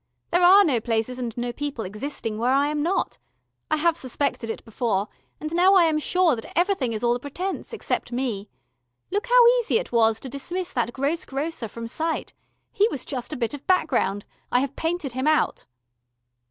There are no places and no people existing where I am not. I have suspected it before, and now I am sure that everything is all a pretence, except me. Look how easy it was to dismiss that gross grocer from sight. He was just a bit of background. I have painted him out."